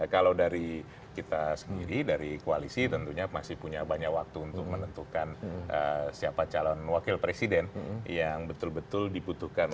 kalau dari kita sendiri dari koalisi tentunya masih punya banyak waktu untuk menentukan siapa calon wakil presiden yang betul betul dibutuhkan